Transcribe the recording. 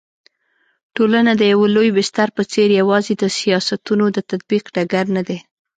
ټولنه د يوه لوی بستر په څېر يوازي د سياستونو د تطبيق ډګر ندی